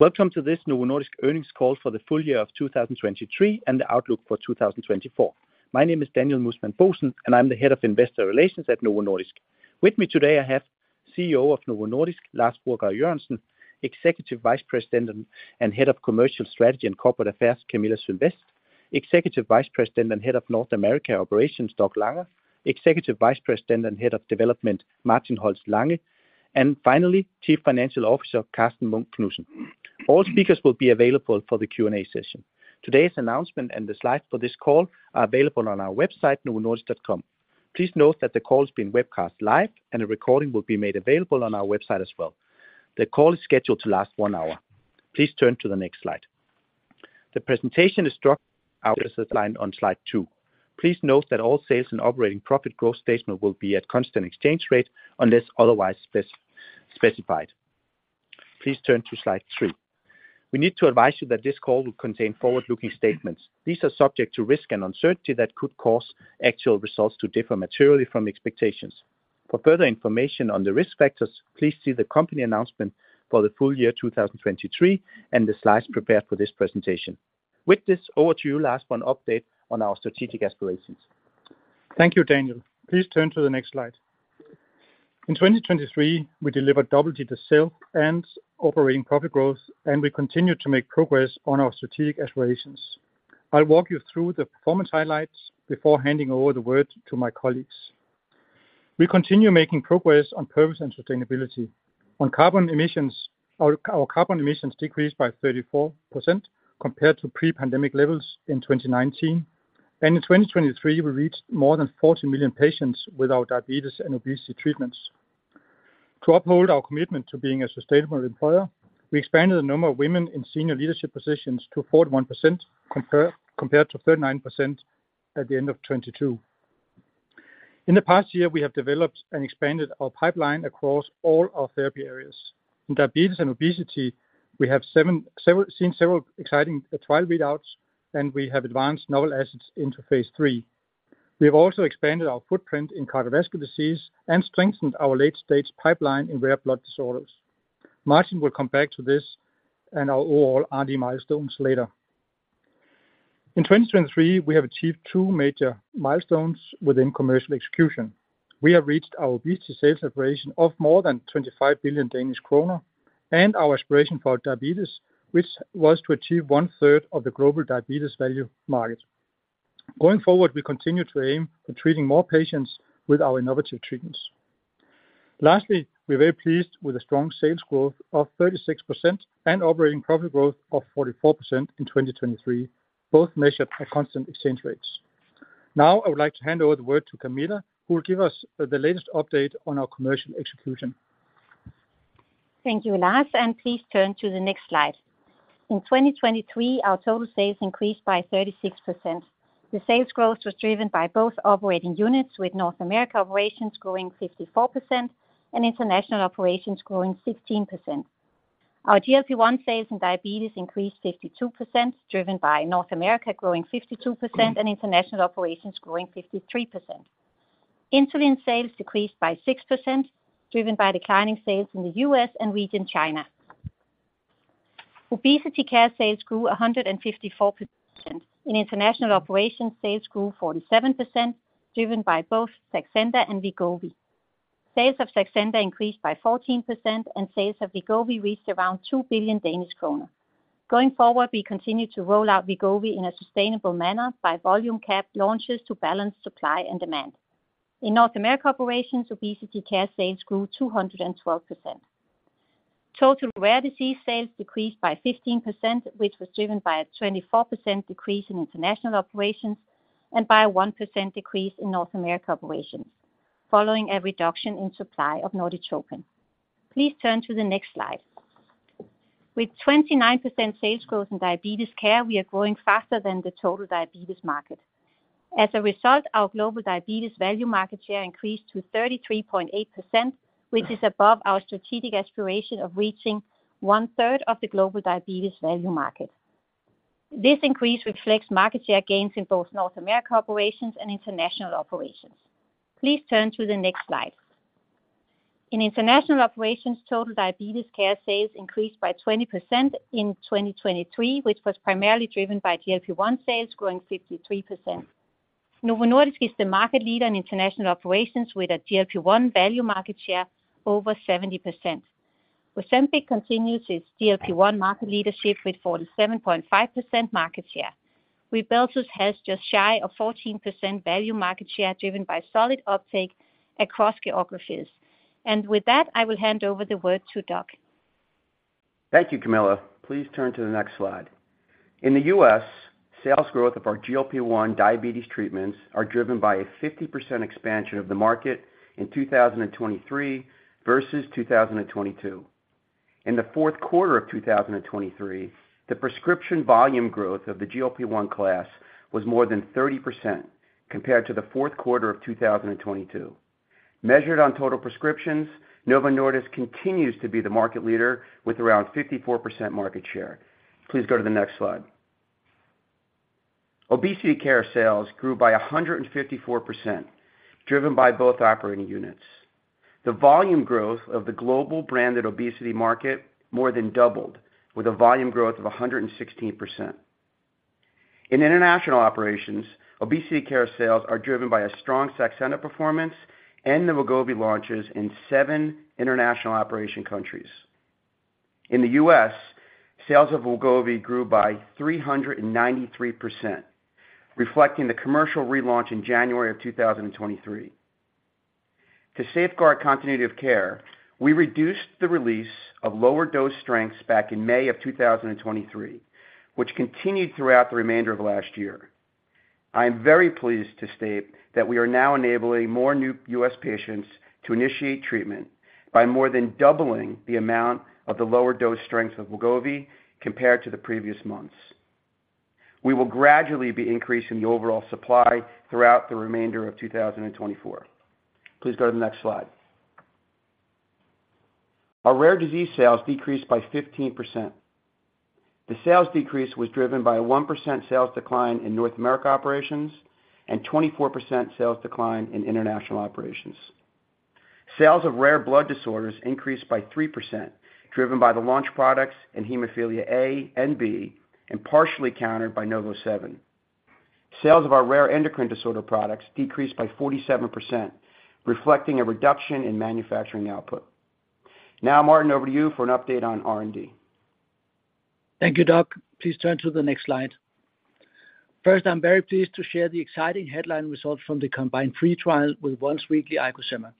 Welcome to this Novo Nordisk Earnings Call for the Full Year of 2023 and the Outlook for 2024. My name is Daniel Muusmann Bohsen, and I'm the Head of Investor Relations at Novo Nordisk. With me today, I have CEO of Novo Nordisk, Lars Fruergaard Jørgensen, Executive Vice President and Head of Commercial Strategy and Corporate Affairs, Camilla Sylvest, Executive Vice President and Head of North America Operations, Doug Langa, Executive Vice President and Head of Development, Martin Holst Lange, and finally, Chief Financial Officer, Karsten Munk Knudsen. All speakers will be available for the Q&A session. Today's announcement and the slides for this call are available on our website, novonordisk.com. Please note that the call is being webcast live, and a recording will be made available on our website as well. The call is scheduled to last one hour. Please turn to the next slide. The presentation is structured as outlined on Slide two. Please note that all sales and operating profit growth statements will be at constant exchange rates unless otherwise specified. Please turn to Slide three. We need to advise you that this call will contain forward-looking statements. These are subject to risk and uncertainty that could cause actual results to differ materially from expectations. For further information on the risk factors, please see the company announcement for the full year 2023, and the slides prepared for this presentation. With this, over to you, Lars, for an update on our strategic aspirations. Thank you, Daniel. Please turn to the next slide. In 2023, we delivered double-digit sales and operating profit growth, and we continued to make progress on our strategic aspirations. I'll walk you through the performance highlights before handing over the word to my colleagues. We continue making progress on purpose and sustainability. On carbon emissions, our carbon emissions decreased by 34% compared to pre-pandemic levels in 2019, and in 2023, we reached more than 40 million patients with our diabetes and obesity treatments. To uphold our commitment to being a sustainable employer, we expanded the number of women in senior leadership positions to 41%, compared to 39% at the end of 2022. In the past year, we have developed and expanded our pipeline across all our therapy areas. In diabetes and obesity, we have seen several exciting trial readouts, and we have advanced novel assets into phase III. We have also expanded our footprint in cardiovascular disease and strengthened our late-stage pipeline in rare blood disorders. Martin will come back to this and our overall R&D milestones later. In 2023, we have achieved two major milestones within commercial execution. We have reached our obesity sales operation of more than 25 billion Danish kroner, and our aspiration for diabetes, which was to achieve 1/3 of the global diabetes value market. Going forward, we continue to aim for treating more patients with our innovative treatments. Lastly, we're very pleased with the strong sales growth of 36% and operating profit growth of 44% in 2023, both measured at constant exchange rates. Now, I would like to hand over the word to Camilla, who will give us the latest update on our commercial execution. Thank you, Lars, and please turn to the next slide. In 2023, our total sales increased by 36%. The sales growth was driven by both operating units, with North America operations growing 54% and international operations growing 16%. Our GLP-1 sales in diabetes increased 52%, driven by North America growing 52% and international operations growing 53%. Insulin sales decreased by 6%, driven by declining sales in the U.S. and region China. Obesity care sales grew 154%. In international operations, sales grew 47%, driven by both Saxenda and Wegovy. Sales of Saxenda increased by 14%, and sales of Wegovy reached around 2 billion Danish kroner. Going forward, we continue to roll out Wegovy in a sustainable manner by volume cap launches to balance supply and demand. In North America operations, obesity care sales grew 212%. Total rare disease sales decreased by 15%, which was driven by a 24% decrease in international operations and by a 1% decrease in North America operations, following a reduction in supply of Norditropin. Please turn to the next slide. With 29% sales growth in diabetes care, we are growing faster than the total diabetes market. As a result, our global diabetes value market share increased to 33.8%, which is above our strategic aspiration of reaching one-third of the global diabetes value market. This increase reflects market share gains in both North America operations and international operations. Please turn to the next slide. In international operations, total diabetes care sales increased by 20% in 2023, which was primarily driven by GLP-1 sales growing 53%. Novo Nordisk is the market leader in international operations with a GLP-1 value market share over 70%. Ozempic continues its GLP-1 market leadership with 47.5% market share. Rybelsus has just shy of 14% value market share, driven by solid uptake across geographies. With that, I will hand over the word to Doug. Thank you, Camilla. Please turn to the next slide. In the U.S., sales growth of our GLP-1 diabetes treatments are driven by a 50% expansion of the market in 2023 versus 2022. In the fourth quarter of 2023, the prescription volume growth of the GLP-1 class was more than 30% compared to the fourth quarter of 2022. Measured on total prescriptions, Novo Nordisk continues to be the market leader with around 54% market share. Please go to the next slide.... Obesity care sales grew by 154%, driven by both operating units. The volume growth of the global branded obesity market more than doubled, with a volume growth of 116%. In international operations, obesity care sales are driven by a strong Saxenda performance and the Wegovy launches in seven international operation countries. In the U.S., sales of Wegovy grew by 393%, reflecting the commercial relaunch in January 2023. To safeguard continuity of care, we reduced the release of lower dose strengths back in May 2023, which continued throughout the remainder of last year. I am very pleased to state that we are now enabling more new U.S. patients to initiate treatment by more than doubling the amount of the lower dose strengths of Wegovy compared to the previous months. We will gradually be increasing the overall supply throughout the remainder of 2024. Please go to the next slide. Our rare disease sales decreased by 15%. The sales decrease was driven by a 1% sales decline in North America Operations, and 24% sales decline in International Operations. Sales of rare blood disorders increased by 3%, driven by the launch products in hemophilia A and B, and partially countered by NovoSeven. Sales of our rare endocrine disorder products decreased by 47%, reflecting a reduction in manufacturing output. Now, Martin, over to you for an update on R&D. Thank you, Doug. Please turn to the next slide. First, I'm very pleased to share the exciting headline results from the COMBINE 3 trial with once-weekly IcoSema.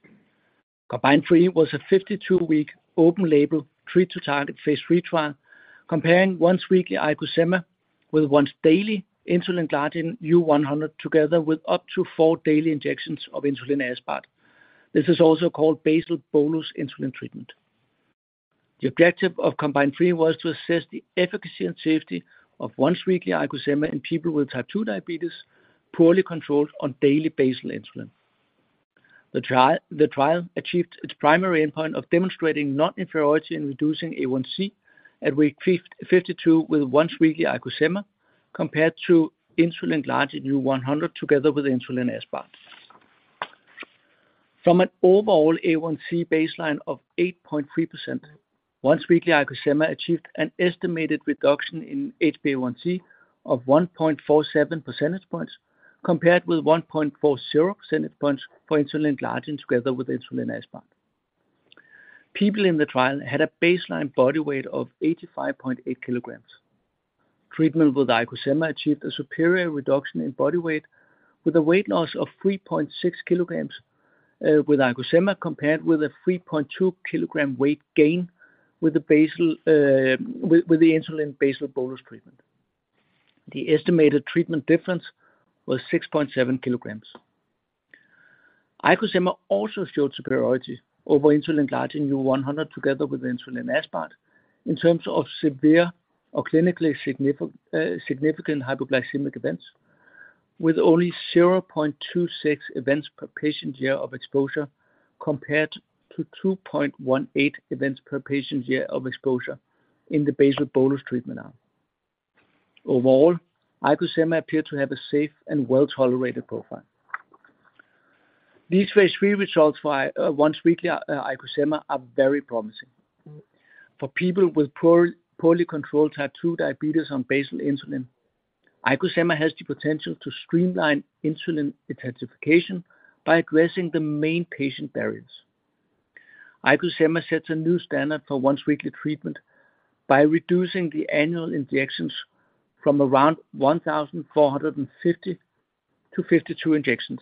COMBINE 3 was a 52-week open label, treat-to-target phase III trial, comparing once-weekly IcoSema with once-daily insulin glargine U100, together with up to foue daily injections of insulin aspart. This is also called basal bolus insulin treatment. The objective of COMBINE 3 was to assess the efficacy and safety of once-weekly IcoSema in people with Type 2 diabetes, poorly controlled on daily basal insulin. The trial achieved its primary endpoint of demonstrating non-inferiority in reducing A1c at week 52 with once-weekly IcoSema, compared to insulin glargine U100, together with insulin aspart. From an overall A1c baseline of 8.3%, once-weekly IcoSema achieved an estimated reduction in HbA1c of 1.47 percentage points, compared with 1.40 percentage points for insulin glargine together with insulin aspart. People in the trial had a baseline body weight of 85.8 kg. Treatment with IcoSema achieved a superior reduction in body weight, with a weight loss of 3.6 kg with IcoSema, compared with a 3.2 kg weight gain with the basal with the insulin basal bolus treatment. The estimated treatment difference was 6.7 kg. IcoSema also showed superiority over insulin glargine U100, together with insulin aspart, in terms of severe or clinically significant hypoglycemic events, with only 0.26 events per patient year of exposure, compared to 2.18 events per patient year of exposure in the basal-bolus treatment arm. Overall, IcoSema appeared to have a safe and well-tolerated profile. These phase III results for once-weekly IcoSema are very promising. For people with poorly controlled Type 2 diabetes on basal insulin, IcoSema has the potential to streamline insulin intensification by addressing the main patient barriers. IcoSema sets a new standard for once-weekly treatment by reducing the annual injections from around 1,450 to 52 injections.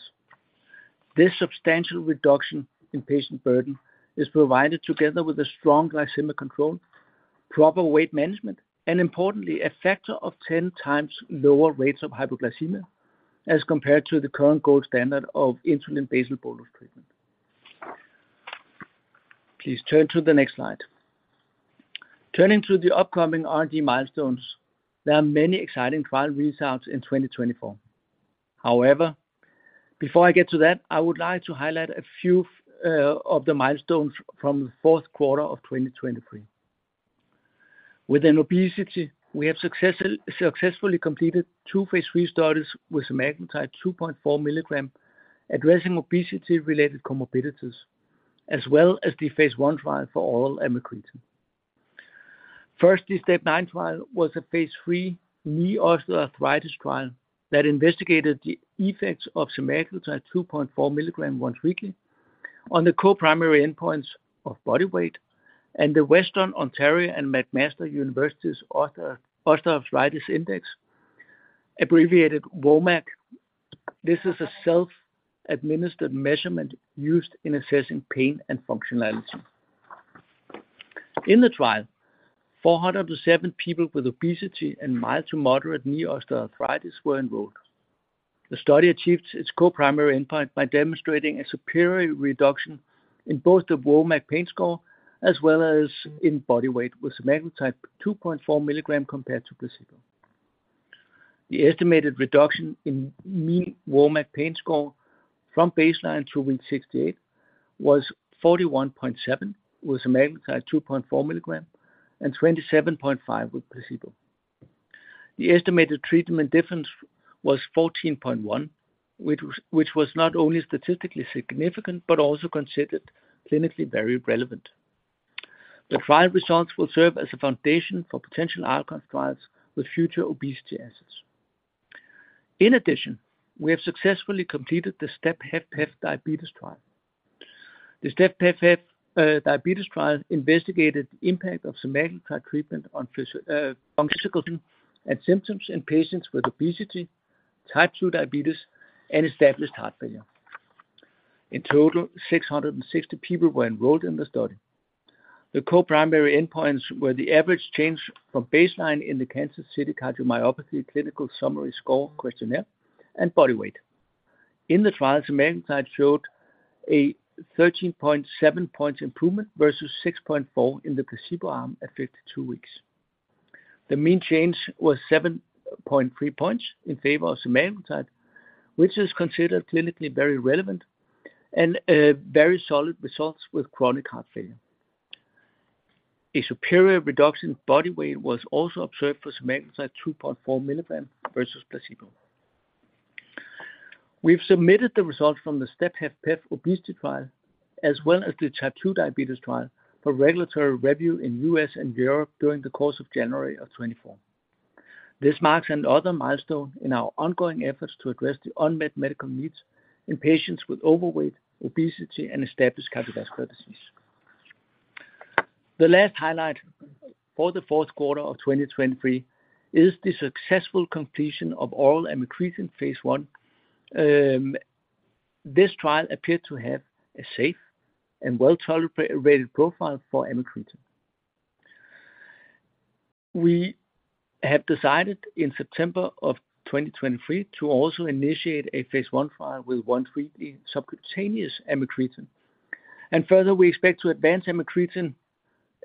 This substantial reduction in patient burden is provided together with a strong glycemic control, proper weight management, and importantly, a factor of 10x lower rates of hypoglycemia, as compared to the current gold standard of insulin basal bolus treatment. Please turn to the next slide. Turning to the upcoming R&D milestones, there are many exciting trial results in 2024. However, before I get to that, I would like to highlight a few of the milestones from the fourth quarter of 2023. Within obesity, we have successfully completed two phase III studies with semaglutide 2.4 mg, addressing obesity-related comorbidities, as well as the phase I trial for oral amycretin. First, the STEP 9 trial was a phase III knee osteoarthritis trial that investigated the effects of semaglutide 2.4 mg once weekly on the co-primary endpoints of body weight and the Western Ontario and McMaster Universities Osteoarthritis Index, abbreviated WOMAC. This is a self-administered measurement used in assessing pain and functionality. In the trial, 407 people with obesity and mild to moderate knee osteoarthritis were enrolled. The study achieved its co-primary endpoint by demonstrating a superior reduction in both the WOMAC pain score as well as in body weight with semaglutide 2.4 mg compared to placebo. The estimated reduction in mean WOMAC pain score from baseline to week 68 was 41.7 with semaglutide 2.4 mg and 27.5 with placebo. The estimated treatment difference was 14.1, which was, which was not only statistically significant, but also considered clinically very relevant. The trial results will serve as a foundation for potential outcomes trials with future obesity assets. In addition, we have successfully completed the STEP-HFpEF diabetes trial. The STEP-HFpEF diabetes trial investigated the impact of semaglutide treatment on functional and symptoms in patients with obesity, Type 2 diabetes, and established heart failure. In total, 660 people were enrolled in the study. The co-primary endpoints were the average change from baseline in the Kansas City Cardiomyopathy Clinical Summary Score questionnaire, and body weight. In the trial, semaglutide showed a 13.7 points improvement versus 6.4 in the placebo arm at 52 weeks. The mean change was 7.3 points in favor of semaglutide, which is considered clinically very relevant and very solid results with chronic heart failure. A superior reduction in body weight was also observed for semaglutide 2.4 mg versus placebo. We've submitted the results from the STEP-HFpEF obesity trial, as well as the Type 2 diabetes trial, for regulatory review in U.S. and Europe during the course of January 2024. This marks another milestone in our ongoing efforts to address the unmet medical needs in patients with overweight, obesity, and established cardiovascular disease. The last highlight for the fourth quarter of 2023 is the successful completion of oral amycretin phase I. This trial appeared to have a safe and well-tolerated profile for amycretin. We have decided in September 2023 to also initiate a phase I trial with once-weekly subcutaneous amycretin. Further, we expect to advance amycretin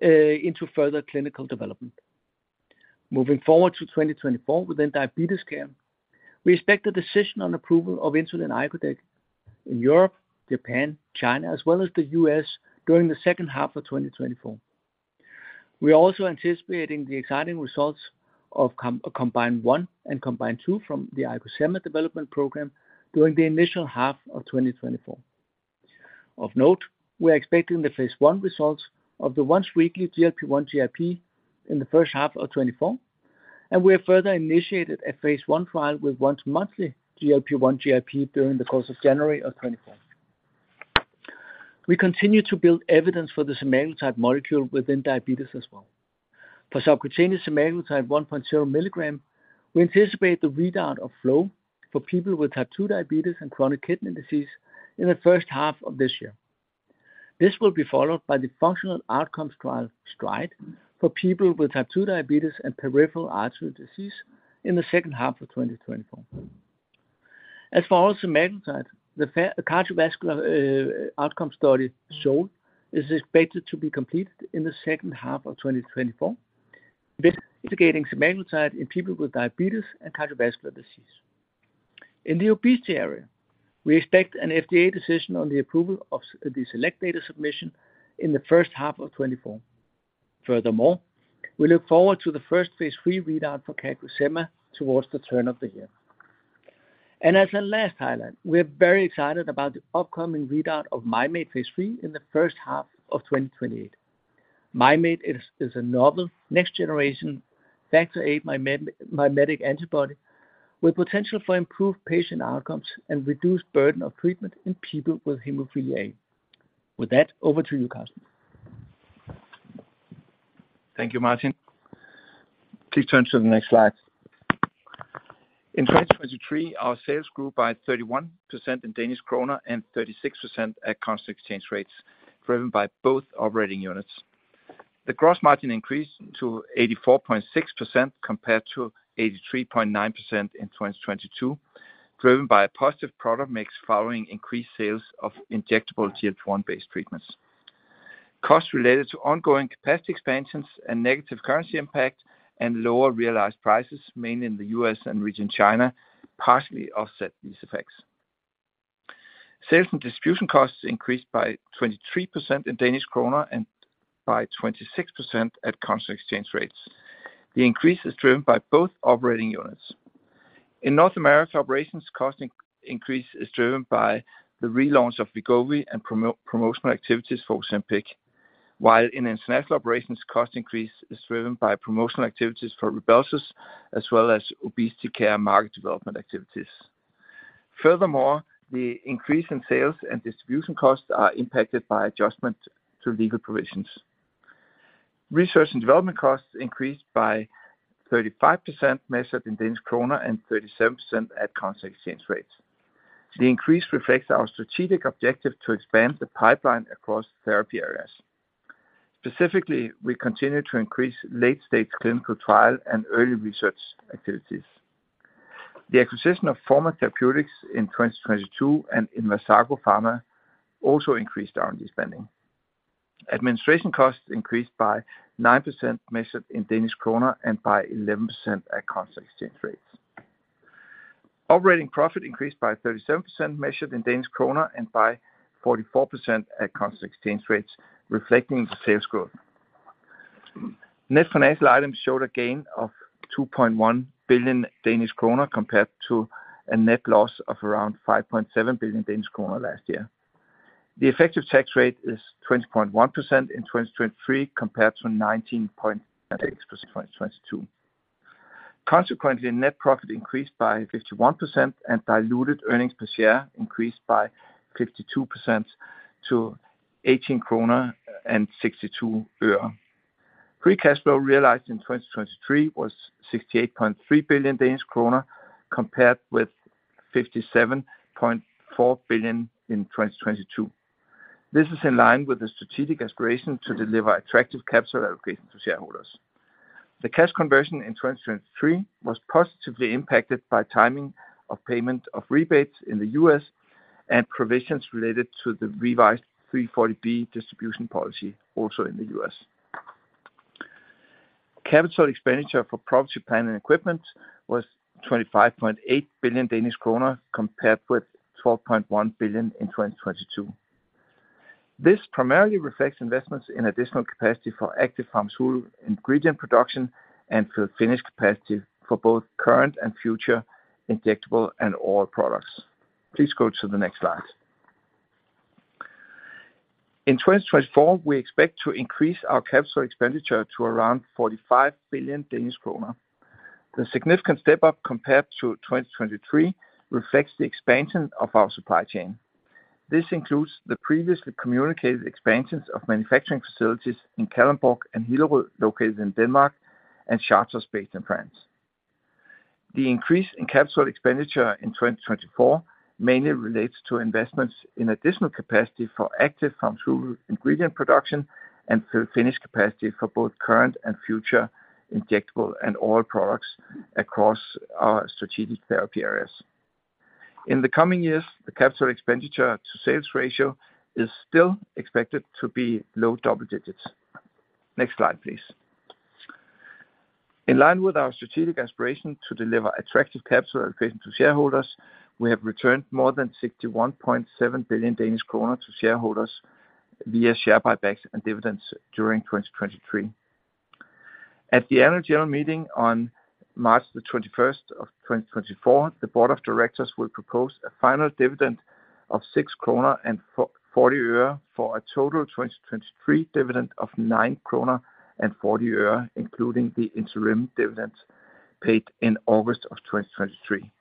into further clinical development. Moving forward to 2024 within diabetes care, we expect a decision on approval of insulin icodec in Europe, Japan, China, as well as the U.S. during the second half of 2024. We are also anticipating the exciting results of COMBINE 1 and COMBINE 2 from the IcoSema development program during the initial half of 2024. Of note, we are expecting the phase I results of the once-weekly GLP-1 GIP in the first half of 2024, and we have further initiated a phase I trial with once-monthly GLP-1 GIP during the course of January 2024. We continue to build evidence for the semaglutide molecule within diabetes as well. For subcutaneous semaglutide 1.0 mg, we anticipate the readout of FLOW for people with Type 2 diabetes and chronic kidney disease in the first half of this year. This will be followed by the functional outcomes trial, STRIDE, for people with Type 2 diabetes and peripheral artery disease in the second half of 2024. As for all semaglutide, the cardiovascular outcome study SOUL is expected to be completed in the second half of 2024, investigating semaglutide in people with diabetes and cardiovascular disease. In the obesity area, we expect an FDA decision on the approval of the SELECT data submission in the first half of 2024. Furthermore, we look forward to the first phase III readout for CagriSema towards the turn of the year. As a last highlight, we're very excited about the upcoming readout of Mim8 phase III in the first half of 2028. Mim8 is a novel next-generation factor VIII mimetic antibody with potential for improved patient outcomes and reduced burden of treatment in people with hemophilia A. With that, over to you, Karsten. Thank you, Martin. Please turn to the next slide. In 2023, our sales grew by 31% in Danish kroner and 36% at constant exchange rates, driven by both operating units. The gross margin increased to 84.6% compared to 83.9% in 2022, driven by a positive product mix following increased sales of injectable GLP-1 based treatments. Costs related to ongoing capacity expansions and negative currency impact and lower realized prices, mainly in the U.S. and region China, partially offset these effects. Sales and distribution costs increased by 23% in Danish kroner and by 26% at constant exchange rates. The increase is driven by both operating units. In North America, operations cost increase is driven by the relaunch of Wegovy and promotional activities for Ozempic. While in international operations, cost increase is driven by promotional activities for Rybelsus, as well as obesity care market development activities. Furthermore, the increase in sales and distribution costs are impacted by adjustment to legal provisions. Research and development costs increased by 35%, measured in Danish kroner, and 37% at constant exchange rates. The increase reflects our strategic objective to expand the pipeline across therapy areas. Specifically, we continue to increase late stage clinical trial and early research activities. The acquisition of Forma Therapeutics in 2022 and Inversago Pharma also increased R&D spending. Administration costs increased by 9%, measured in Danish kroner, and by 11% at constant exchange rates. Operating profit increased by 37%, measured in Danish kroner, and by 44% at constant exchange rates, reflecting the sales growth. Net financial items showed a gain of 2.1 billion Danish kroner, compared to a net loss of around 5.7 billion Danish kroner last year. The effective tax rate is 20.1% in 2023, compared to 19.8% in 2022. Consequently, net profit increased by 51%, and diluted earnings per share increased by 52% to 18.62 DKK. Free cash flow realized in 2023 was 68.3 billion Danish kroner, compared with 57.4 billion in 2022. This is in line with the strategic aspiration to deliver attractive capital allocation to shareholders. The cash conversion in 2023 was positively impacted by timing of payment of rebates in the U.S., and provisions related to the revised 340B distribution policy, also in the U.S. Capital expenditure for property, plant, and equipment was 25.8 billion Danish kroner, compared with 12.1 billion in 2022. This primarily reflects investments in additional capacity for active pharmaceutical ingredient production and for finished capacity for both current and future injectable and oral products. Please go to the next slide. In 2024, we expect to increase our capital expenditure to around 45 billion Danish kroner. The significant step-up compared to 2023 reflects the expansion of our supply chain. This includes the previously communicated expansions of manufacturing facilities in Kalundborg and Hillerød, located in Denmark, and Chartres based in France. The increase in capital expenditure in 2024 mainly relates to investments in additional capacity for active pharmaceutical ingredient production and through finished capacity for both current and future injectable and oral products across our strategic therapy areas. In the coming years, the capital expenditure to sales ratio is still expected to be low double digits. Next slide, please. In line with our strategic aspiration to deliver attractive capital allocation to shareholders, we have returned more than 61.7 billion Danish kroner to shareholders via share buybacks and dividends during 2023. At the annual general meeting on March the 21st of 2024, the board of directors will propose a final dividend of 6 kroner and 40 euro, for a total of 2023 dividend of 9 kroner and 40 euro, including the interim dividend paid in August of 2023.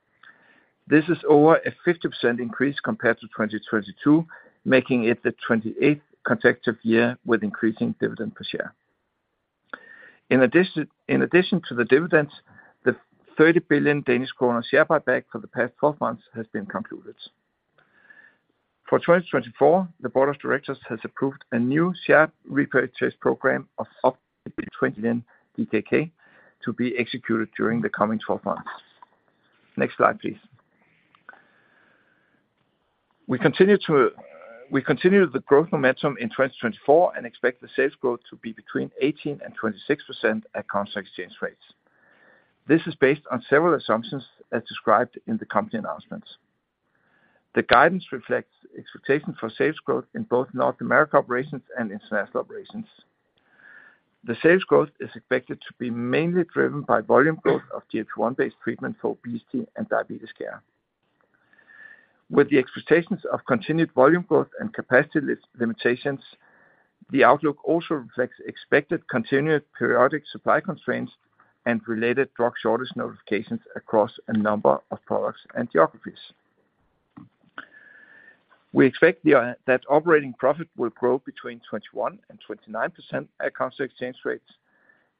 This is over a 50% increase compared to 2022, making it the 28th consecutive year with increasing dividend per share. In addition, in addition to the dividends, the 30 billion Danish kroner share buyback for the past 12 months has been concluded. For 2024, the board of directors has approved a new share repurchase program of up to 20 billion DKK to be executed during the coming 12 months. Next slide, please. We continue the growth momentum in 2024 and expect the sales growth to be between 18% and 26% at constant exchange rates. This is based on several assumptions, as described in the company announcements. The guidance reflects expectations for sales growth in both North America operations and international operations. The sales growth is expected to be mainly driven by volume growth of GLP-1 based treatment for obesity and diabetes care. With the expectations of continued volume growth and capacity limitations, the outlook also reflects expected continued periodic supply constraints and related drug shortage notifications across a number of products and geographies. We expect the that operating profit will grow between 21%-29% at constant exchange rates.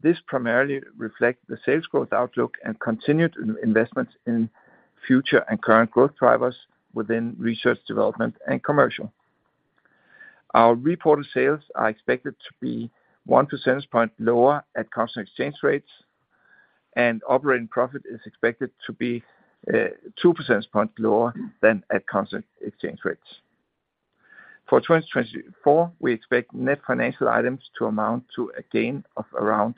This primarily reflects the sales growth outlook and continued investments in future and current growth drivers within research, development, and commercial. Our reported sales are expected to be one percentage point lower at constant exchange rates, and operating profit is expected to be two percentage points lower than at constant exchange rates. For 2024, we expect net financial items to amount to a gain of around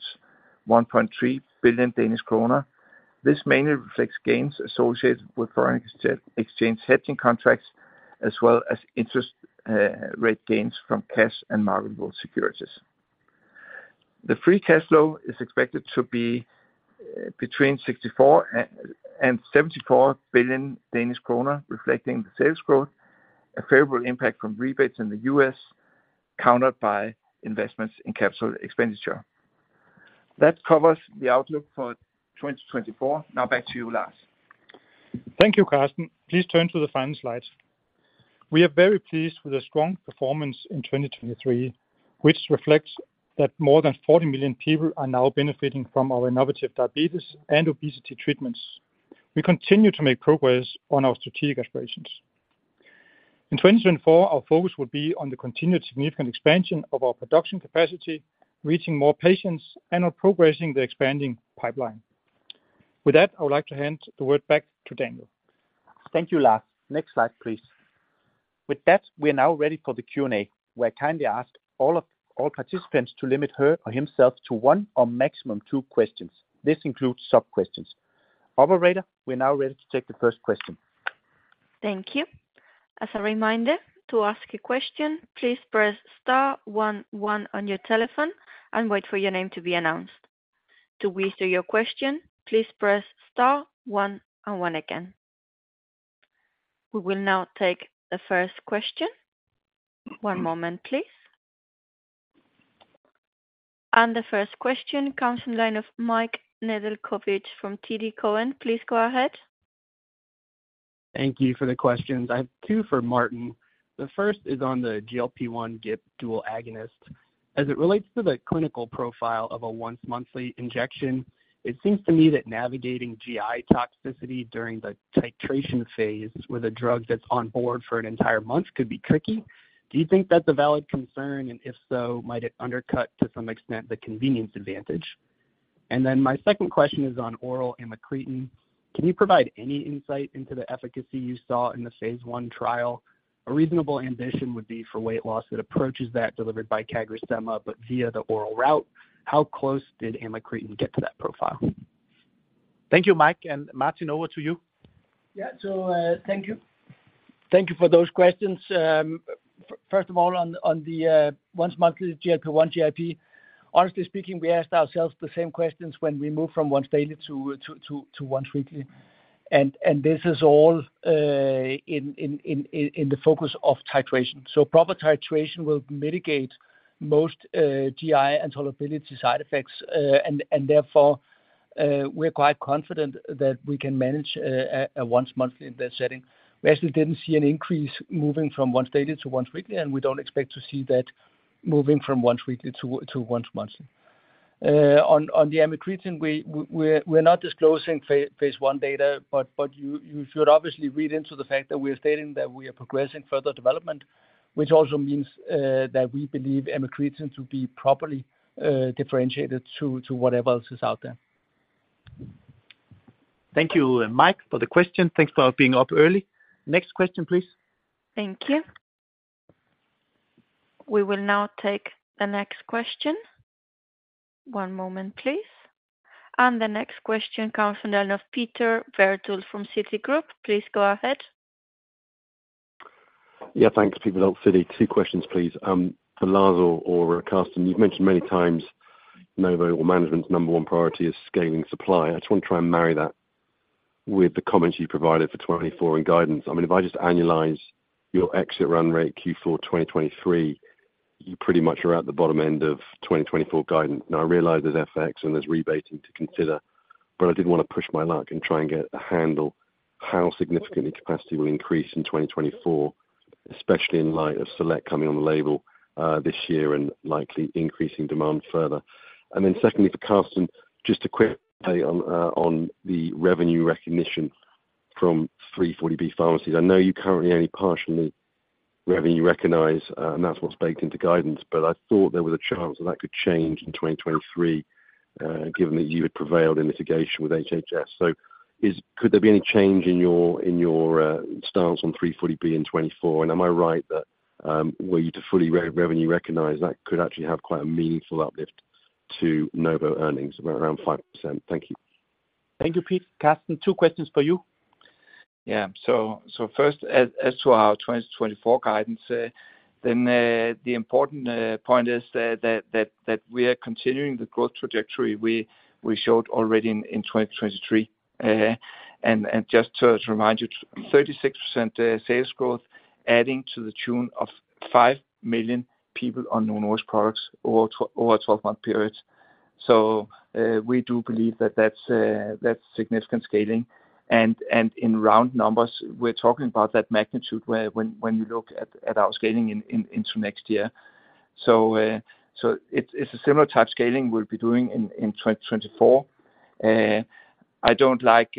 1.3 billion Danish kroner. This mainly reflects gains associated with foreign exchange hedging contracts, as well as interest rate gains from cash and marketable securities. The free cash flow is expected to be between 64 billion and 74 billion Danish kroner, reflecting the sales growth, a favorable impact from rebates in the U.S., countered by investments in capital expenditure. That covers the outlook for 2024. Now back to you, Lars. Thank you, Karsten. Please turn to the final slide. We are very pleased with the strong performance in 2023, which reflects that more than 40 million people are now benefiting from our innovative diabetes and obesity treatments. We continue to make progress on our strategic aspirations. In 2024, our focus will be on the continued significant expansion of our production capacity, reaching more patients, and on progressing the expanding pipeline. With that, I would like to hand the word back to Daniel. Thank you, Lars. Next slide, please.... With that, we are now ready for the Q&A, where I kindly ask all participants to limit her or himself to one or maximum two questions. This includes sub-questions. Operator, we are now ready to take the first question. Thank you. As a reminder, to ask a question, please press star one, one on your telephone and wait for your name to be announced. To withdraw your question, please press star one and one again. We will now take the first question. One moment, please. The first question comes from the line of Mike Nedelcovych from TD Cowen. Please go ahead. Thank you for the questions. I have two for Martin. The first is on the GLP-1 GIP dual agonist. As it relates to the clinical profile of a once monthly injection, it seems to me that navigating GI toxicity during the titration phase with a drug that's on board for an entire month could be tricky. Do you think that's a valid concern? And if so, might it undercut, to some extent, the convenience advantage? And then my second question is on oral amycretin. Can you provide any insight into the efficacy you saw in the phase I trial? A reasonable ambition would be for weight loss that approaches that delivered by CagriSema, but via the oral route. How close did amycretin get to that profile? Thank you, Mike, and Martin, over to you. Yeah, so, thank you. Thank you for those questions. First of all, on the once monthly GLP-1 GIP, honestly speaking, we asked ourselves the same questions when we moved from once daily to once weekly. And this is all in the focus of titration. So proper titration will mitigate most GI and tolerability side effects, and therefore, we're quite confident that we can manage a once monthly in that setting. We actually didn't see an increase moving from once daily to once weekly, and we don't expect to see that moving from once weekly to once monthly. On the amycretin, we're not disclosing phase I data, but you should obviously read into the fact that we are stating that we are progressing further development, which also means that we believe amycretin to be properly differentiated to whatever else is out there. Thank you, Mike, for the question. Thanks for being up early. Next question, please. Thank you. We will now take the next question. One moment, please. The next question comes from line of Peter Verdult from Citigroup. Please go ahead. Yeah, thanks, Peter from Citi. Two questions, please. For Lars or Karsten, you've mentioned many times Novo or management's number one priority is scaling supply. I just want to try and marry that with the comments you provided for 2024 in guidance. I mean, if I just annualize your exit run rate, Q4, 2023, you pretty much are at the bottom end of 2024 guidance. Now, I realize there's FX and there's rebating to consider, but I didn't want to push my luck and try and get a handle how significantly capacity will increase in 2024, especially in light of SELECT coming on the label this year and likely increasing demand further. And then secondly, for Karsten, just a quick play on the revenue recognition from 340B pharmacies. I know you currently only partially revenue recognize, and that's what's baked into guidance, but I thought there was a chance that could change in 2023, given that you had prevailed in litigation with HHS. So could there be any change in your stance on 340B in 2024? And am I right that, were you to fully revenue recognize, that could actually have quite a meaningful uplift to Novo earnings, around 5%? Thank you. Thank you, Pete. Karsten, two questions for you. Yeah. So first, as to our 2024 guidance, then the important point is that we are continuing the growth trajectory we showed already in 2023. And just to remind you, 36% sales growth adding to the tune of five million people on Novo Nordisk products over a twelve-month period. So we do believe that that's significant scaling. And in round numbers, we're talking about that magnitude when you look at our scaling into next year. So it's a similar type of scaling we'll be doing in 2024. I don't like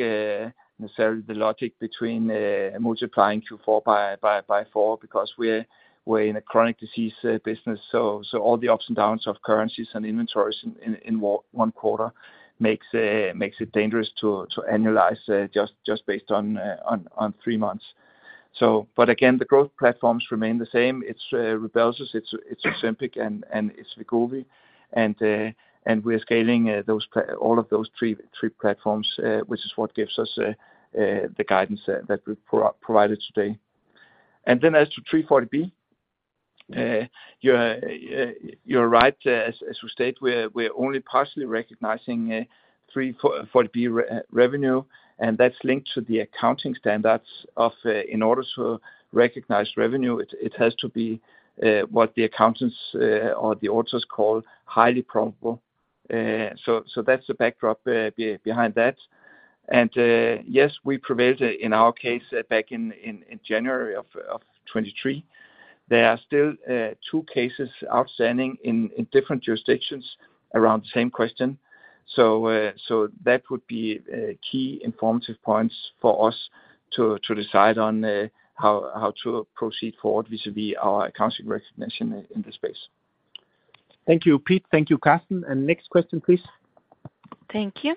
necessarily the logic between multiplying Q4 by four, because we're in a chronic disease business. So all the ups and downs of currencies and inventories in one quarter makes it dangerous to annualize just based on three months. But again, the growth platforms remain the same. It's Rybelsus, it's Ozempic, and it's Wegovy. And we're scaling all of those three platforms, which is what gives us the guidance that we provided today. And then as to 340B, you're right, as we state, we're only partially recognizing 340B revenue, and that's linked to the accounting standards. In order to recognize revenue, it has to be what the accountants or the auditors call highly probable. So that's the backdrop behind that. Yes, we prevailed in our case back in January of 2023. There are still two cases outstanding in different jurisdictions around the same question. So, that would be key informative points for us to decide on how to proceed forward vis-a-vis our accounting recognition in this space. Thank you, Pete. Thank you, Karsten. Next question, please. Thank you...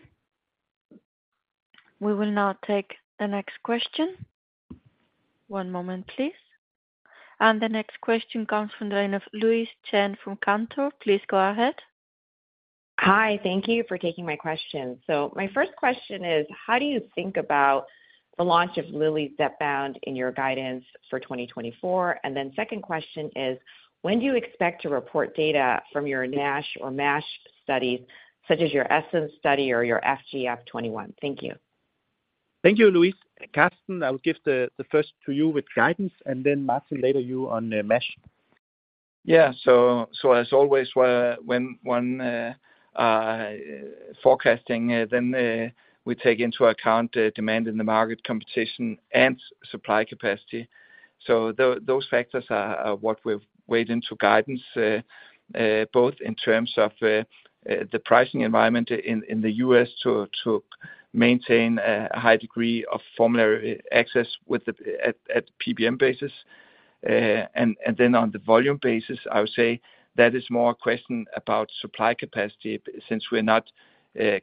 We will now take the next question. One moment, please. And the next question comes from the line of Louise Chen from Cantor. Please go ahead. Hi, thank you for taking my question. So my first question is: how do you think about the launch of Lilly's Zepbound in your guidance for 2024? And then second question is: when do you expect to report data from your NASH or MASH studies, such as your ESSENCE study or your FGF21? Thank you. Thank you, Louise. Karsten, I will give the first to you with guidance, and then Martin, later you on the MASH. Yeah, so as always, whenever we're forecasting, we take into account the demand in the market, competition, and supply capacity. So those factors are what we've weighed into guidance, both in terms of the pricing environment in the U.S. to maintain a high degree of formulary access with the PBMs. And then on the volume basis, I would say that is more a question about supply capacity since we're not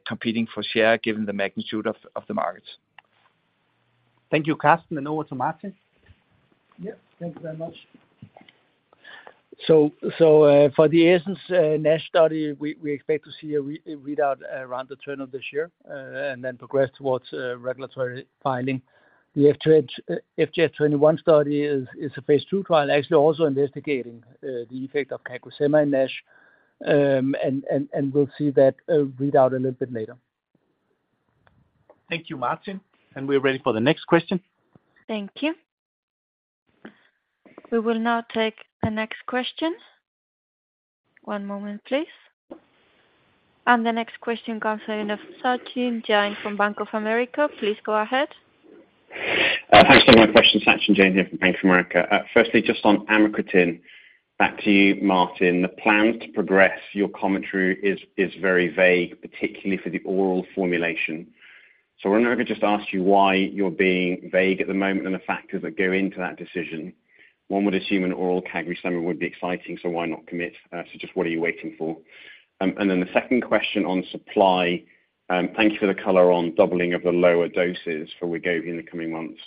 competing for share, given the magnitude of the market. Thank you, Karsten, and over to Martin. Yeah. Thank you very much. So, for the ESSENCE NASH study, we expect to see a readout around the turn of this year, and then progress towards regulatory filing. The FGF21 study is a phase II trial, actually also investigating the effect of CagriSema in NASH. And we'll see that read out a little bit later. Thank you, Martin. We're ready for the next question. Thank you. We will now take the next question. One moment, please. And the next question comes in of Sachin Jain from Bank of America. Please go ahead. Thanks for my question. Sachin Jain here from Bank of America. Firstly, just on amycretin, back to you, Martin. The plans to progress your commentary is very vague, particularly for the oral formulation. So I want to just ask you why you're being vague at the moment and the factors that go into that decision. One would assume an oral CagriSema would be exciting, so why not commit? So just what are you waiting for? And then the second question on supply, thank you for the color on doubling of the lower doses for Wegovy in the coming months.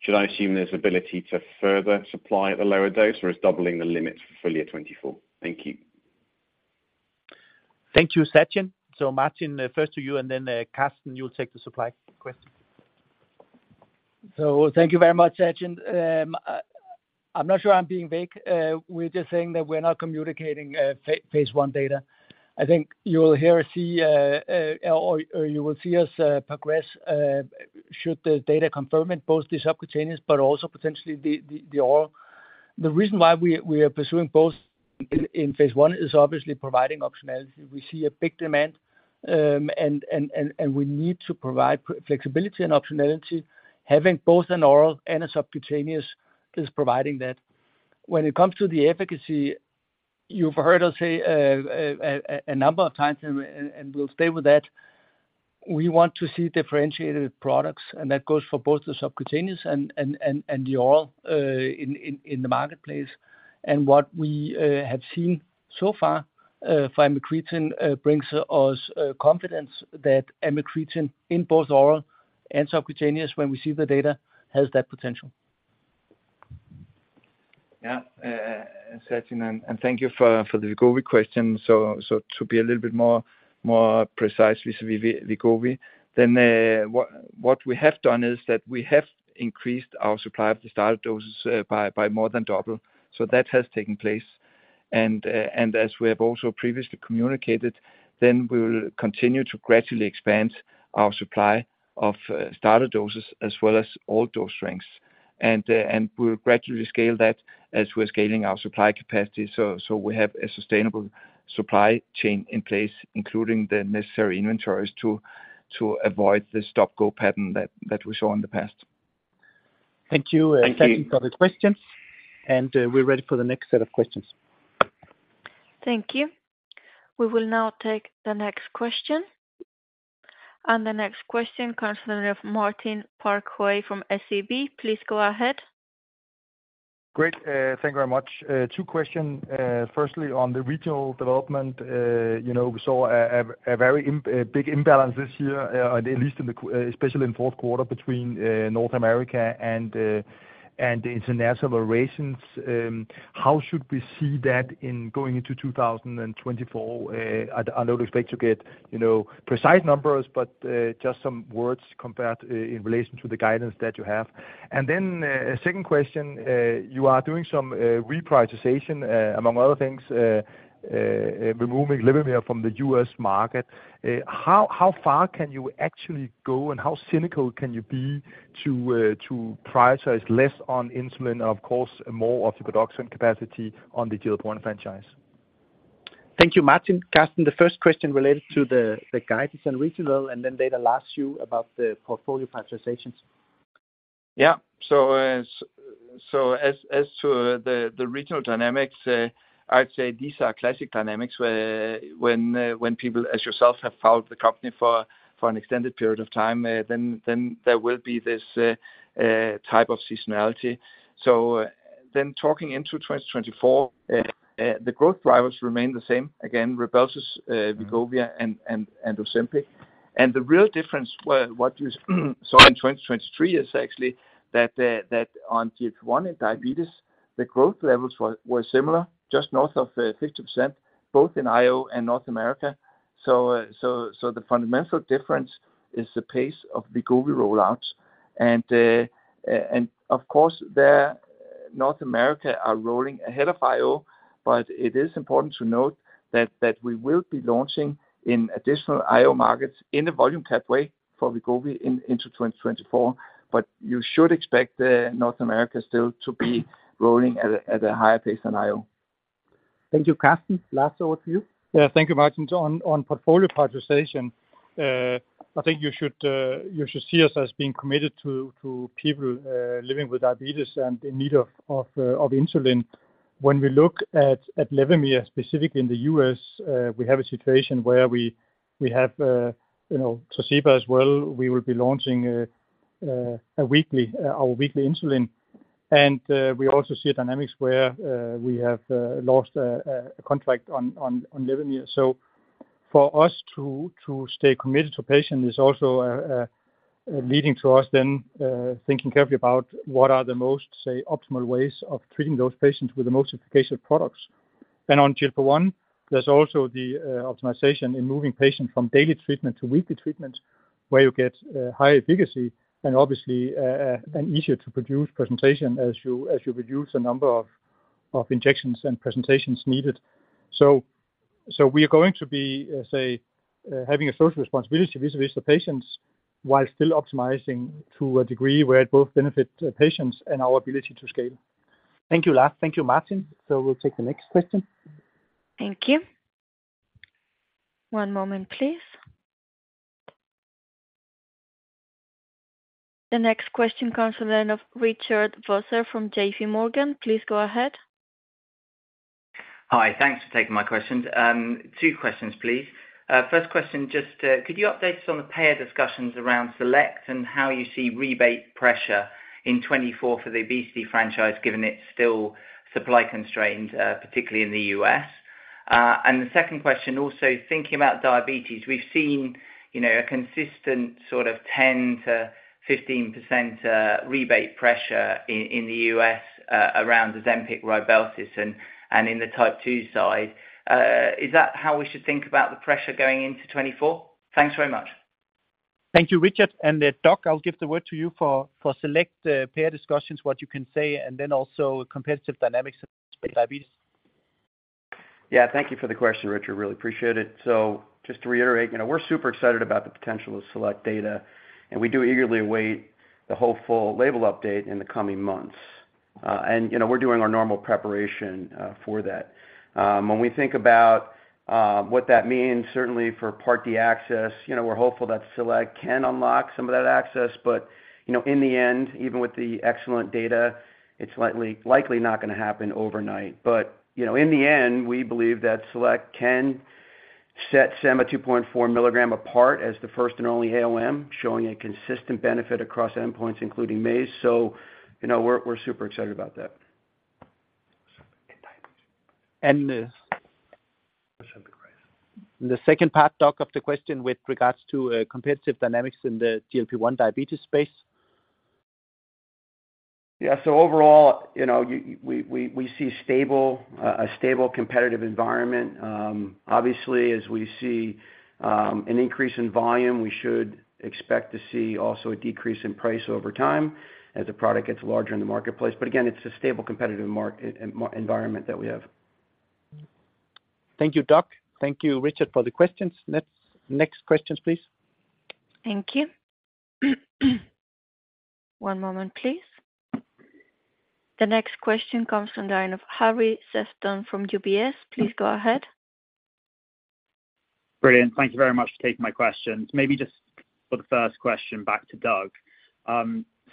Should I assume there's ability to further supply at the lower dose, or is doubling the limit for full year 2024? Thank you. Thank you, Sachin. So Martin, first to you, and then, Karsten, you'll take the supply question. So thank you very much, Sachin. I'm not sure I'm being vague. We're just saying that we're not communicating phase I data. I think you will hear or see, or you will see us progress, should the data confirm in both the subcutaneous, but also potentially the oral. The reason why we are pursuing both in phase I is obviously providing optionality. We see a big demand, and we need to provide flexibility and optionality. Having both an oral and a subcutaneous is providing that. When it comes to the efficacy, you've heard us say a number of times, and we'll stay with that, we want to see differentiated products, and that goes for both the subcutaneous and the oral in the marketplace. What we have seen so far for amycretin brings us confidence that amycretin in both oral and subcutaneous, when we see the data, has that potential. Yeah, Sachin, and thank you for the Wegovy question. So, to be a little bit more precise vis-à-vis Wegovy, then, what we have done is that we have increased our supply of the starter doses by more than double. So that has taken place. And as we have also previously communicated, then we will continue to gradually expand our supply of starter doses as well as all dose strengths. And we will gradually scale that as we're scaling our supply capacity, so we have a sustainable supply chain in place, including the necessary inventories, to avoid the stop-go pattern that we saw in the past. Thank you- Thank you. Thank you for the question, and we're ready for the next set of questions. Thank you. We will now take the next question. The next question comes from Martin Parkhøi from SEB. Please go ahead. Great. Thank you very much. Two questions. Firstly, on the regional development, you know, we saw a very big imbalance this year, at least especially in fourth quarter between North America and the international operations. How should we see that going into 2024? I don't expect to get, you know, precise numbers, but just some words compared in relation to the guidance that you have. And then, a second question, you are doing some repricing, among other things, removing Levemir from the U.S. market. How far can you actually go, and how cynical can you be to price less on insulin, and of course, more Ozempic and Wegovy capacity on the GLP-1 franchise? Thank you, Martin. Karsten, the first question related to the guidance and regional, and then later last year about the portfolio price positions. Yeah. So as to the regional dynamics, I'd say these are classic dynamics where when people, as yourself, have followed the company for an extended period of time, then there will be this type of seasonality. So, then talking into 2024, the growth drivers remain the same. Again, Rybelsus, Wegovy, and Ozempic. And the real difference were, what you saw in 2023 is actually that, that on GLP-1 and diabetes, the growth levels were similar, just north of 50%, both in IO and North America. So the fundamental difference is the pace of the Wegovy rollouts, and of course, the North America are rolling ahead of IO, but it is important to note that we will be launching in additional IO markets in the volume pathway for Wegovy into 2024. But you should expect North America still to be rolling at a higher pace than IO. Thank you, Karsten. Lars, over to you. Yeah, thank you, Martin. On portfolio prioritization, I think you should see us as being committed to people living with diabetes and in need of insulin. When we look at Levemir, specifically in the U.S., we have a situation where we have, you know, to see as well, we will be launching a weekly, our weekly insulin. And we also see a dynamics where we have lost a contract on Levemir. So for us to stay committed to patient is also leading to us then thinking carefully about what are the most, say, optimal ways of treating those patients with the most effective products. And on GLP-1, there's also the optimization in moving patients from daily treatment to weekly treatment, where you get higher efficacy and obviously an easier to produce presentation as you reduce the number of injections and presentations needed. So we are going to be having a social responsibility vis-a-vis the patients, while still optimizing to a degree where it both benefit the patients and our ability to scale. Thank you, Lars. Thank you, Martin. We'll take the next question. Thank you. One moment, please. The next question comes in of Richard Vosser from JPMorgan. Please go ahead. Hi, thanks for taking my questions. Two questions, please. First question, just, could you update us on the payer discussions around SELECT and how you see rebate pressure in 2024 for the obesity franchise, given it's still supply constrained, particularly in the U.S.? And the second question, also thinking about diabetes, we've seen, you know, a consistent sort of 10%-15% rebate pressure in the U.S. around Ozempic, Rybelsus, and in the Type 2 side. Is that how we should think about the pressure going into 2024? Thanks very much. Thank you, Richard, and Doug, I'll give the word to you for SELECT payer discussions, what you can say, and then also competitive dynamics with diabetes. Yeah, thank you for the question, Richard. Really appreciate it. So just to reiterate, you know, we're super excited about the potential of SELECT data, and we do eagerly await the whole full label update in the coming months. And, you know, we're doing our normal preparation for that. When we think about what that means, certainly for Part D access, you know, we're hopeful that SELECT can unlock some of that access. But, you know, in the end, even with the excellent data, it's likely, likely not gonna happen overnight. But, you know, in the end, we believe that SELECT can set sema 2.4 mg apart as the first and only AOM, showing a consistent benefit across endpoints, including MAZE. So, you know, we're, we're super excited about that. The second part, Doug, of the question with regards to competitive dynamics in the GLP-1 diabetes space? Yeah, so overall, you know, we see a stable competitive environment. Obviously, as we see an increase in volume, we should expect to see also a decrease in price over time as the product gets larger in the marketplace. But again, it's a stable competitive market environment that we have. Thank you, Doug. Thank you, Richard, for the questions. Next, next questions, please. Thank you. One moment, please. The next question comes from the line of Harry Sephton from UBS. Please go ahead. Brilliant. Thank you very much for taking my questions. Maybe just for the first question, back to Doug.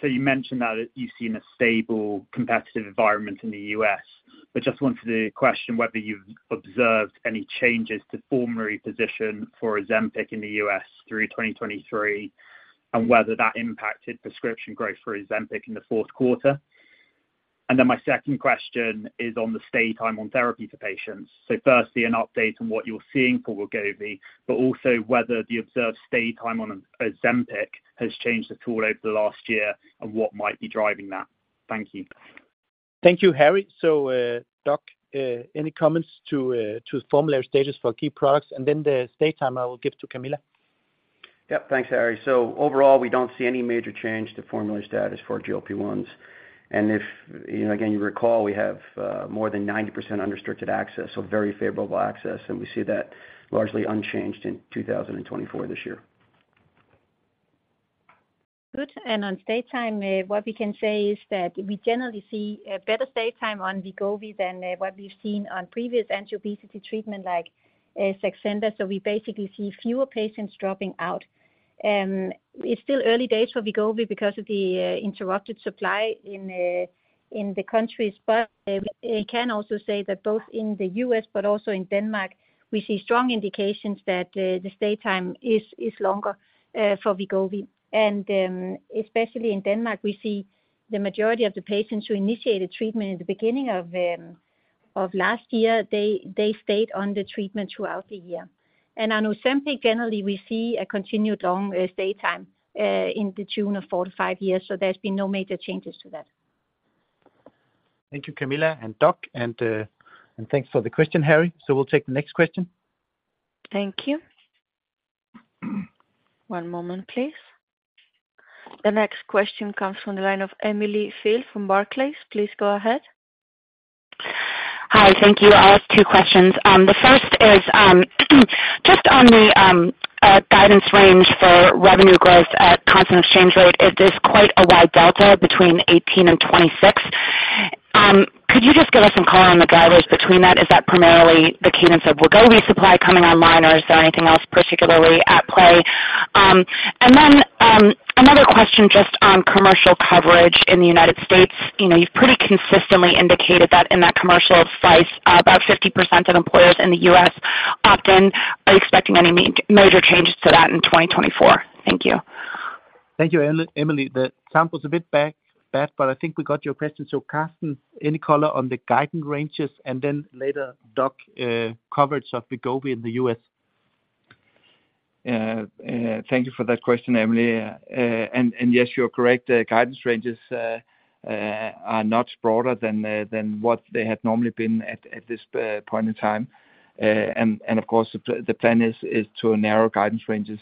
So you mentioned that you've seen a stable competitive environment in the U.S., but just wanted to question whether you've observed any changes to formulary position for Ozempic in the U.S. through 2023, and whether that impacted prescription growth for Ozempic in the fourth quarter? And then my second question is on the stay time on therapy for patients. So firstly, an update on what you're seeing for Wegovy, but also whether the observed stay time on Ozempic has changed at all over the last year, and what might be driving that? Thank you. Thank you, Harry. So, Doug, any comments to formulary status for key products? And then the stage time I will give to Camilla. Yep. Thanks, Harry. So overall, we don't see any major change to formulary status for GLP-1s. And if, you know, again, you recall, we have more than 90% unrestricted access, so very favorable access, and we see that largely unchanged in 2024 this year. Good, and on stay time, what we can say is that we generally see a better stay time on Wegovy than what we've seen on previous anti-obesity treatment, like Saxenda. So we basically see fewer patients dropping out. It's still early days for Wegovy because of the interrupted supply in the countries. But we can also say that both in the U.S., but also in Denmark, we see strong indications that the stay time is longer for Wegovy. And especially in Denmark, we see the majority of the patients who initiated treatment in the beginning of,... Of last year, they, they stayed on the treatment throughout the year. And on Ozempic, generally, we see a continued long stay time in the tune of four to five years, so there's been no major changes to that. Thank you, Camilla and Doug, and, and thanks for the question, Harry. So we'll take the next question. Thank you. One moment, please. The next question comes from the line of Emily Field from Barclays. Please go ahead. Hi. Thank you. I'll ask two questions. The first is just on the guidance range for revenue growth at constant exchange rate. It is quite a wide delta between 18%-26%. Could you just give us some color on the drivers between that? Is that primarily the cadence of Wegovy supply coming online, or is there anything else particularly at play? And then another question just on commercial coverage in the United States. You know, you've pretty consistently indicated that in that commercial slice, about 50% of employers in the U.S. opt in. Are you expecting any major changes to that in 2024? Thank you. Thank you, Emily. The sound was a bit bad, but I think we got your question. So Karsten, any color on the guidance ranges, and then later, Doug, coverage of Wegovy in the U.S. Thank you for that question, Emily. And yes, you're correct, the guidance ranges are much broader than what they had normally been at this point in time. And of course, the plan is to narrow guidance ranges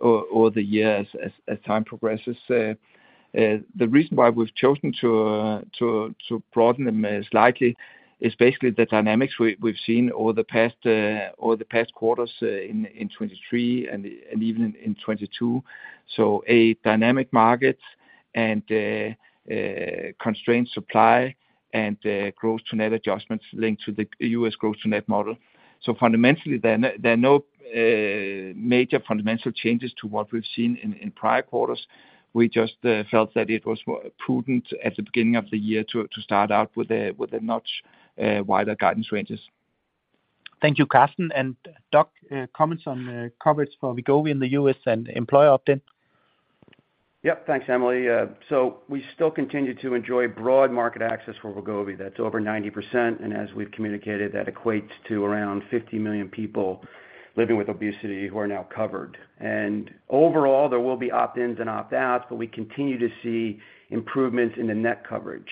over the years as time progresses. The reason why we've chosen to broaden them slightly is basically the dynamics we've seen over the past quarters in 2023 and even in 2022. So a dynamic market and constrained supply and gross-to-net adjustments linked to the U.S. gross-to-net model. So fundamentally, there are no major fundamental changes to what we've seen in prior quarters. We just felt that it was prudent at the beginning of the year to start out with a much wider guidance ranges. Thank you, Karsten. Doug, comments on coverage for Wegovy in the U.S. and employer opt-in. Yep. Thanks, Emily. So we still continue to enjoy broad market access for Wegovy. That's over 90%, and as we've communicated, that equates to around 50 million people living with obesity who are now covered. And overall, there will be opt-ins and opt-outs, but we continue to see improvements in the net coverage.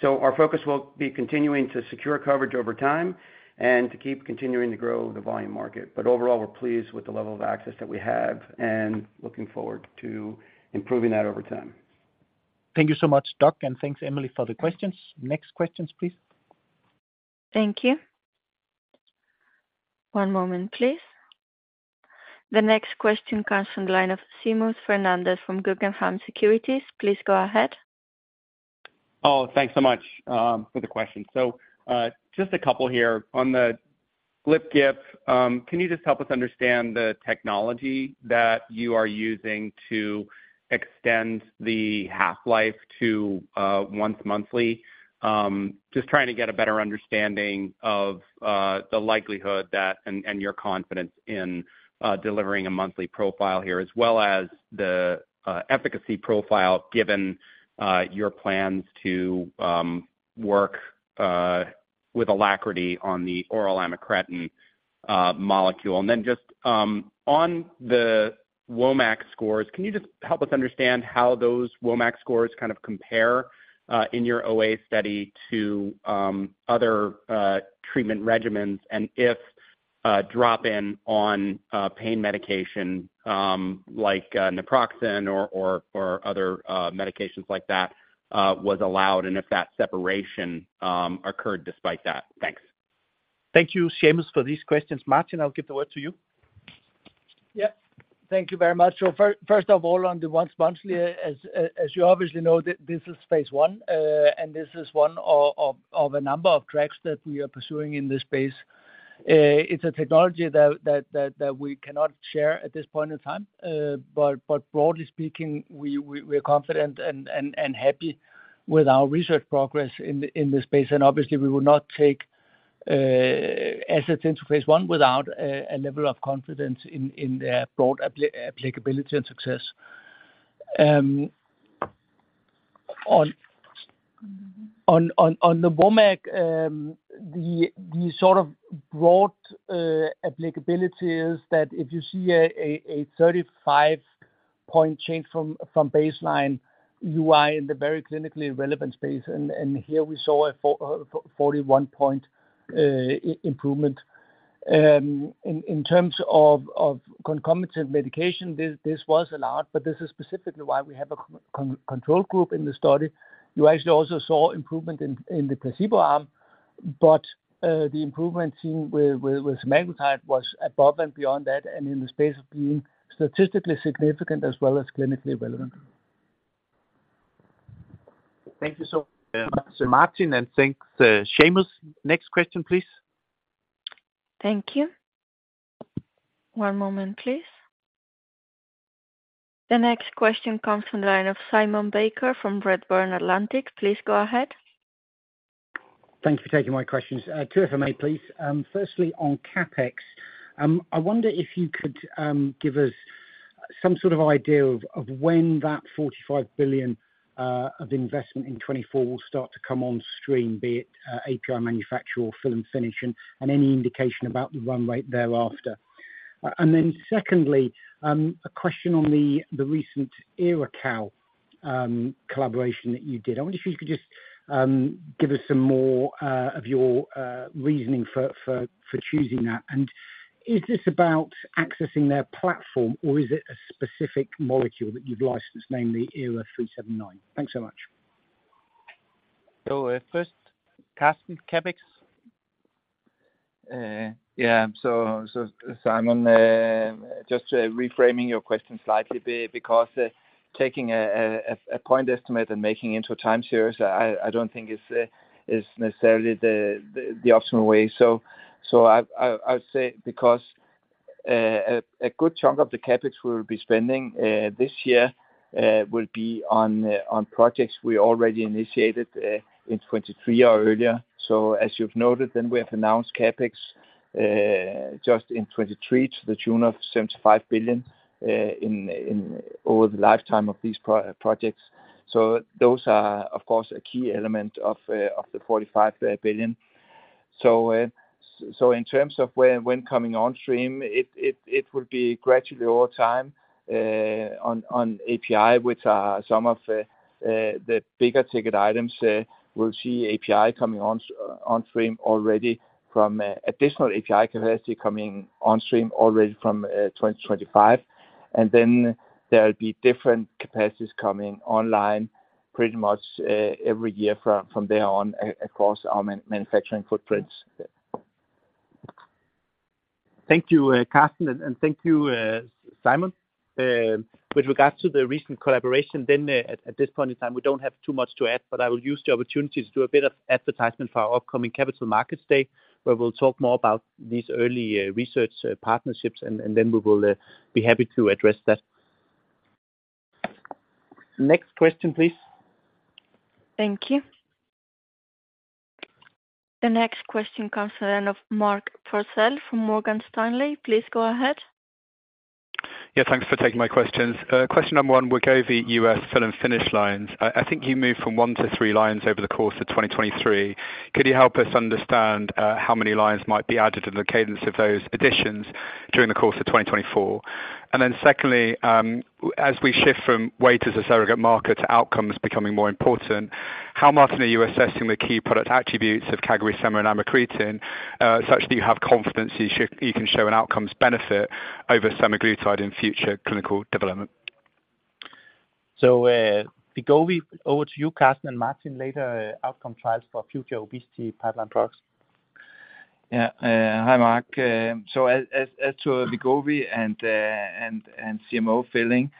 So our focus will be continuing to secure coverage over time and to keep continuing to grow the volume market. But overall, we're pleased with the level of access that we have and looking forward to improving that over time. Thank you so much, Doug, and thanks, Emily, for the questions. Next questions, please. Thank you. One moment, please. The next question comes from the line of Seamus Fernandez from Guggenheim Securities. Please go ahead. Oh, thanks so much for the question. So, just a couple here. On the GLP-1, can you just help us understand the technology that you are using to extend the half-life to once monthly? Just trying to get a better understanding of the likelihood that, and, and your confidence in delivering a monthly profile here, as well as the efficacy profile, given your plans to work with alacrity on the oral amycretin molecule. And then just on the WOMAC scores, can you just help us understand how those WOMAC scores kind of compare in your OA study to other treatment regimens? And if drop-in on pain medication like naproxen or, or, or other medications like that was allowed, and if that separation occurred despite that? Thanks. Thank you, Seamus, for these questions. Martin, I'll give the word to you. Yep. Thank you very much. First of all, on the once monthly, as you obviously know, this is phase I, and this is one of a number of tracks that we are pursuing in this space. It's a technology that we cannot share at this point in time, but broadly speaking, we're confident and happy with our research progress in this space. Obviously we will not take assets into phase I without a level of confidence in their broad applicability and success. On the WOMAC, the sort of broad applicability is that if you see a 35-point change from baseline, you are in the very clinically relevant space. Here we saw a 41-point improvement. In terms of concomitant medication, this was allowed, but this is specifically why we have a control group in the study. You actually also saw improvement in the placebo arm, but the improvement seen with semaglutide was above and beyond that, and in the sense of being statistically significant as well as clinically relevant. Thank you so much, Martin, and thanks, Seamus. Next question, please. Thank you. One moment, please. The next question comes from the line of Simon Baker from Redburn Atlantic. Please go ahead. Thank you for taking my questions. Two, if I may, please. Firstly, on CapEx, I wonder if you could give us-... Some sort of idea of when that 45 billion of investment in 2024 will start to come on stream, be it API manufacturer or fill and finish, and any indication about the run rate thereafter? And then secondly, a question on the recent EraCal collaboration that you did. I wonder if you could just give us some more of your reasoning for choosing that. And is this about accessing their platform, or is it a specific molecule that you've licensed, namely Era-379? Thanks so much. First, Karsten, CapEx. Yeah, so Simon, just reframing your question slightly, because taking a point estimate and making into a time series, I don't think is necessarily the optimal way. So I'd say because a good chunk of the CapEx we'll be spending this year will be on projects we already initiated in 2023 or earlier. So as you've noted, then we have announced CapEx just in 2023, to the tune of 75 billion in over the lifetime of these projects. So those are, of course, a key element of the 45 billion. So, in terms of when coming on stream, it would be gradually over time on API, which some of the bigger ticket items will see API coming on stream already from additional API capacity coming on stream already from 2025. And then there will be different capacities coming online pretty much every year from there on across our manufacturing footprints. Thank you, Karsten, and thank you, Simon. With regards to the recent collaboration, then, at this point in time, we don't have too much to add, but I will use the opportunity to do a bit of advertisement for our upcoming Capital Markets Day, where we'll talk more about these early research partnerships, and then we will be happy to address that. Next question, please. Thank you. The next question comes from Mark Purcell from Morgan Stanley. Please go ahead. Yeah, thanks for taking my questions. Question number one, Wegovy U.S. fill and finish lines. I think you moved from one to three lines over the course of 2023. Could you help us understand how many lines might be added to the cadence of those additions during the course of 2024? And then secondly, as we shift from weight as a surrogate market to outcomes becoming more important, how often are you assessing the key product attributes of CagriSema and amycretin such that you have confidence you can show an outcomes benefit over semaglutide in future clinical development? So, Wegovy, over to you, Karsten, and Martin, later outcome trials for future obesity pipeline products. Yeah, hi, Mark. So as to Wegovy and CMO filling,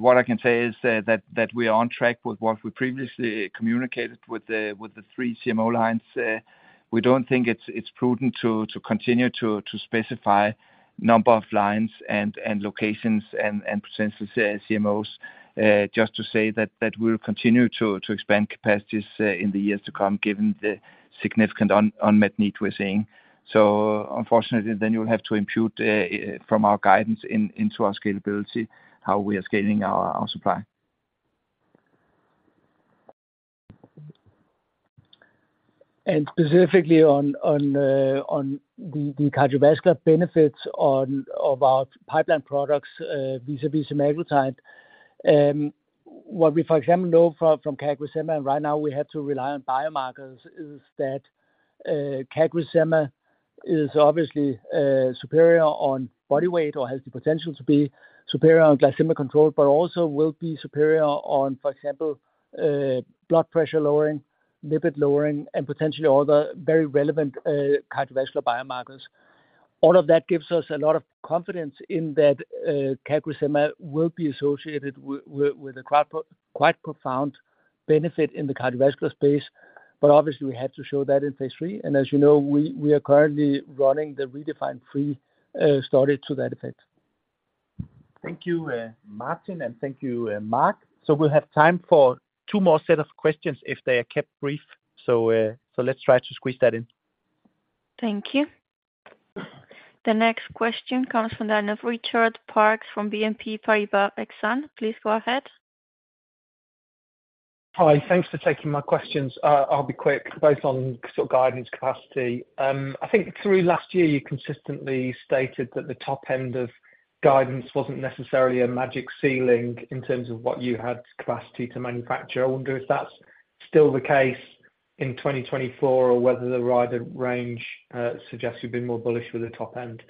what I can say is that we are on track with what we previously communicated with the three CMO lines. We don't think it's prudent to continue to specify number of lines and locations and potential CMOs. Just to say that we'll continue to expand capacities in the years to come, given the significant unmet need we're seeing. So unfortunately, you'll have to impute from our guidance into our scalability, how we are scaling our supply. Specifically on the cardiovascular benefits of our pipeline products vis-à-vis semaglutide. What we, for example, know from CagriSema, and right now we have to rely on biomarkers, is that CagriSema is obviously superior on body weight or has the potential to be superior on glycemic control, but also will be superior on, for example, blood pressure lowering, lipid lowering, and potentially other very relevant cardiovascular biomarkers. All of that gives us a lot of confidence in that CagriSema will be associated with a quite profound benefit in the cardiovascular space, but obviously we had to show that in phase III. And as you know, we are currently running the REDEFINE 3 study to that effect. Thank you, Martin, and thank you, Mark. So we'll have time for two more set of questions if they are kept brief. So let's try to squeeze that in. Thank you. The next question comes from Richard Parkes, from BNP Paribas Exane. Please go ahead. Hi, thanks for taking my questions. I'll be quick, both on sort of guidance capacity. I think through last year, you consistently stated that the top end of guidance wasn't necessarily a magic ceiling in terms of what you had capacity to manufacture. I wonder if that's still the case in 2024 or whether the wider range suggests you've been more bullish with the top end.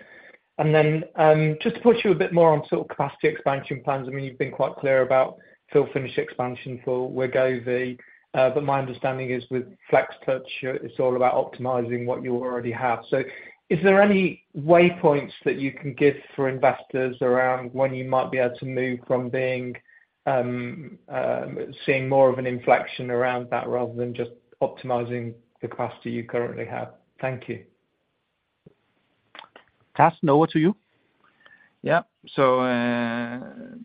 And then, just to push you a bit more on sort of capacity expansion plans, I mean, you've been quite clear about fill finish expansion for Wegovy, but my understanding is with FlexTouch, it's all about optimizing what you already have. So, is there any waypoints that you can give for investors around when you might be able to move from being, seeing more of an inflection around that rather than just optimizing the capacity you currently have? Thank you. Karsten, over to you. Yeah. So,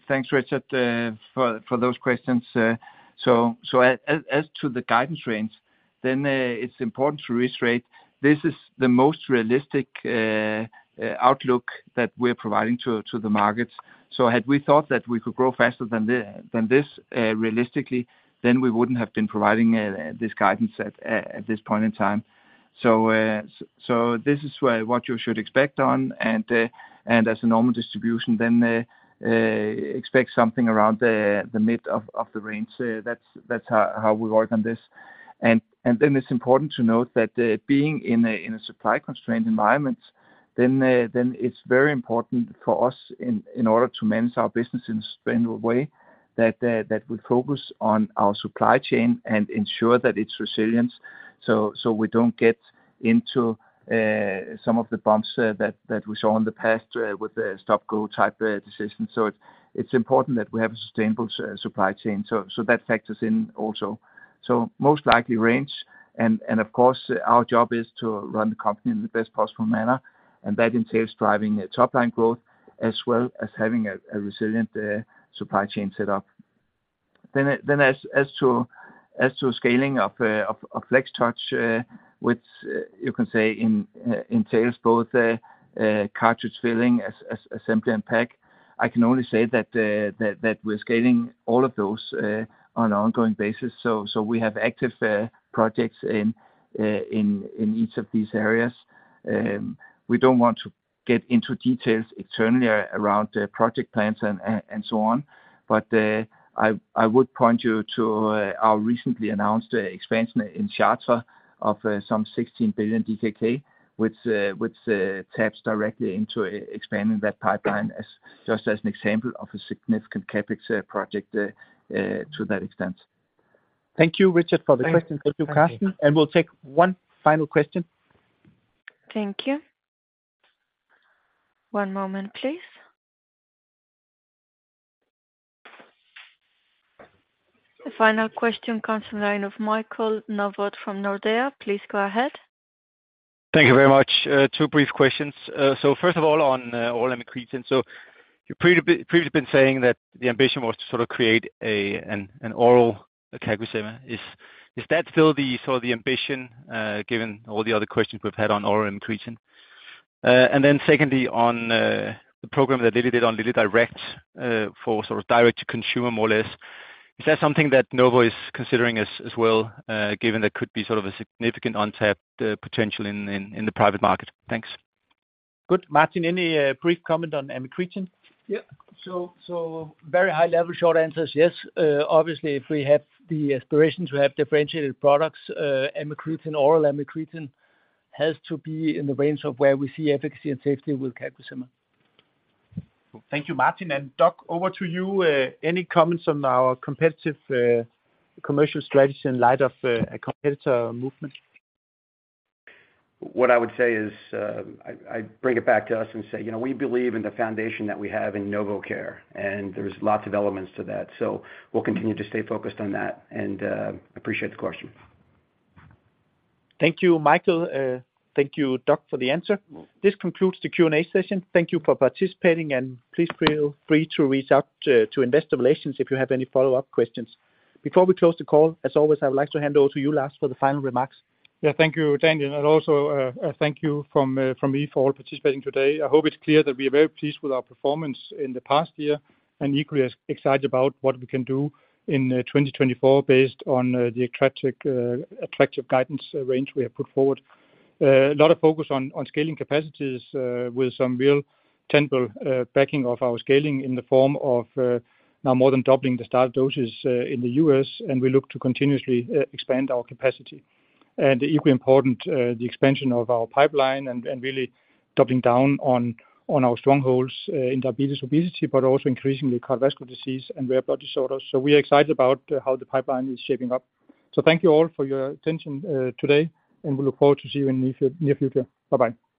thanks, Richard, for those questions. As to the guidance range, then, it's important to reiterate this is the most realistic outlook that we're providing to the markets. So had we thought that we could grow faster than this, realistically, then we wouldn't have been providing this guidance at this point in time. So this is where what you should expect on, and as a normal distribution, then, expect something around the mid of the range. That's how we work on this. And then it's important to note that, being in a supply-constrained environment, then it's very important for us in order to manage our business in a sustainable way, that we focus on our supply chain and ensure that it's resilient, so we don't get into some of the bumps that we saw in the past with the stop-go type decision. So it's important that we have a sustainable supply chain. So that factors in also. So most likely range, and of course, our job is to run the company in the best possible manner, and that entails driving top-line growth, as well as having a resilient supply chain set up. Then as to scaling of FlexTouch, which you can say entails both cartridge filling, assembly and pack, I can only say that we're scaling all of those on an ongoing basis. So we have active projects in each of these areas. We don't want to get into details externally around the project plans and so on, but I would point you to our recently announced expansion in Chartres of some 16 billion DKK, which taps directly into expanding that pipeline as just an example of a significant CapEx project to that extent. Thank you, Richard, for the question. Thank you, Karsten. We'll take one final question. Thank you. One moment, please. The final question comes from the line of Michael Novod from Nordea. Please go ahead. Thank you very much. Two brief questions. So first of all, on oral amycretin. So you've previously been saying that the ambition was to sort of create an oral CagriSema. Is that still the sort of ambition, given all the other questions we've had on oral amycretin? And then secondly, on the program that Lilly did on LillyDirect, for sort of direct to consumer, more or less, is that something that Novo is considering as well, given there could be sort of a significant untapped potential in the private market? Thanks. Good. Martin, any brief comment on amycretin? Yeah. So, so very high level, short answer is yes. Obviously, if we have the aspiration to have differentiated products, amycretin, oral amycretin has to be in the range of where we see efficacy and safety with CagriSema. Thank you, Martin, and Doug, over to you. Any comments on our competitive, commercial strategy in light of a competitor movement? What I would say is, I bring it back to us and say, you know, we believe in the foundation that we have in NovCare, and there's lots of elements to that. So we'll continue to stay focused on that, and appreciate the question. Thank you, Michael. Thank you, Doug, for the answer. This concludes the Q&A session. Thank you for participating, and please feel free to reach out to Investor Relations if you have any follow-up questions. Before we close the call, as always, I would like to hand over to you, Lars, for the final remarks. Yeah, thank you, Daniel, and also, a thank you from, from me for all participating today. I hope it's clear that we are very pleased with our performance in the past year, and equally as excited about what we can do in 2024 based on the attractive, attractive guidance range we have put forward. A lot of focus on, on scaling capacities with some real tangible backing of our scaling in the form of now more than doubling the start of doses in the U.S., and we look to continuously expand our capacity. And equally important the expansion of our pipeline and, and really doubling down on, on our strongholds in diabetes, obesity, but also increasingly cardiovascular disease and rare blood disorders. So we are excited about how the pipeline is shaping up. Thank you all for your attention today, and we look forward to seeing you in the near future. Bye-bye.